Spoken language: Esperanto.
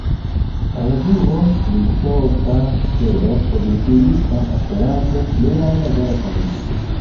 Revuo „Litova Stelo“ publikigis en Esperanto liajn verkojn:.